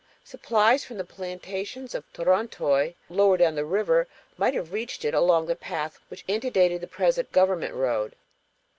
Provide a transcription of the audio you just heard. Supplies from the plantations of Torontoy, lower down the river, might have reached it along the path which antedated the present government road.